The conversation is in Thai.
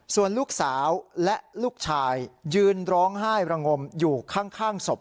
ส่วนลูกสาวและลูกชายยืนร้องไห้ระงมอยู่ข้างศพ